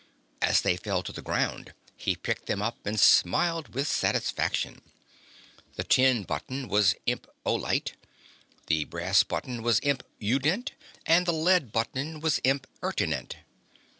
As they fell to the ground he picked them up and smiled with satisfaction. The tin button was Imp Olite, the brass button was Imp Udent and the lead button was Imp Ertinent.